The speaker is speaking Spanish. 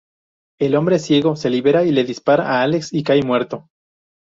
El hombre ciego se libera y le dispara a Alex que cae muerto.